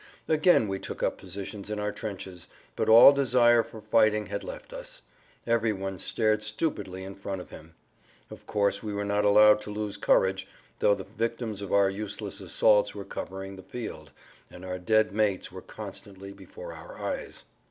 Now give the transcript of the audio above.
Again we took up positions in our trenches, but all desire for fighting had left us; every one stared stupidly in front of him. Of course we were not allowed to lose courage, though the victims of our useless assaults[Pg 51] were covering the field, and our dead mates were constantly before our eyes.